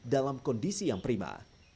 dalam kondisi yang prima